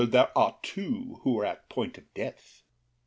there are two Who are at point of death!